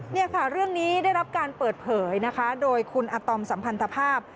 นี่ค่ะเรื่องนี้ได้รับการเปิดเผยนะคะโดยคุณอาตอมสัมพันธภาพ